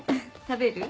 食べる？